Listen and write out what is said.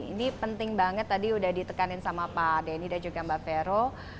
ini penting banget tadi udah ditekanin sama pak denny dan juga mbak vero